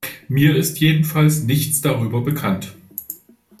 Mir ist jedenfalls nichts darüber bekannt.